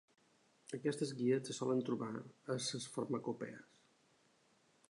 Aquestes guies se solen trobar en les farmacopees.